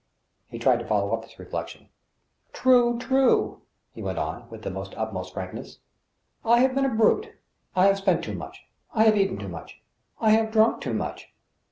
He tried to follow up this reflection. " True, true," he went on, with the utmost frankness, " I have been a brute ; I have spent too much ; I have eaten too much ; I have drunk too much